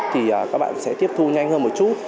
thì các bạn sẽ tiếp thu nhanh hơn một chút